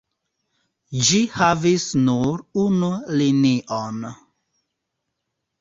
Ĝi havis nur unu linion.